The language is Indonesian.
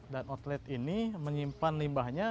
dan outlet ini menyimpan limbahnya